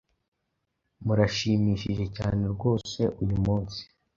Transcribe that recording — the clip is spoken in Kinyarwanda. Murashimishije cyane rwose uyu munsi